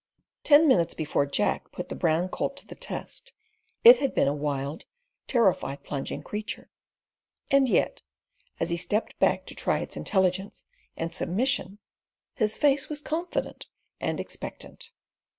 Ten minutes before Jack put the brown colt to the test it had been a wild, terrified, plunging creature, and yet, as he stepped back to try its intelligence and submission, his face was confident and expectant.